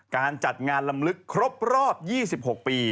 การจัดงานลำลึกครบรอบ๒๖ปี